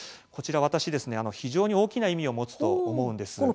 こちら私、非常に大きな意味を持つと思うんです。